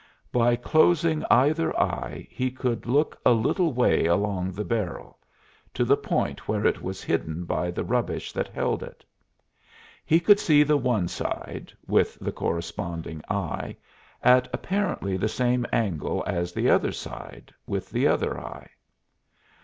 By closing either eye he could look a little way along the barrel to the point where it was hidden by the rubbish that held it. He could see the one side, with the corresponding eye, at apparently the same angle as the other side with the other eye.